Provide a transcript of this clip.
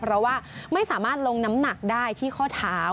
เพราะว่าไม่สามารถลงน้ำหนักได้ที่ข้อเท้า